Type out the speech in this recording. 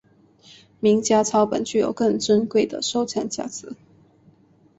名家抄本具有更珍贵的收藏价值。